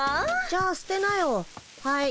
じゃあ捨てなよはい。